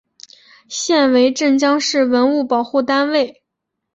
现为镇江市文物保护单位。